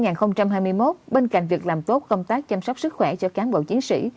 năm hai nghìn hai mươi một bên cạnh việc làm tốt công tác chăm sóc sức khỏe cho cán bộ chiến sĩ